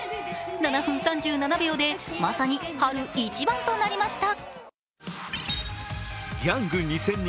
７分３７秒で、まさに春一番となりました。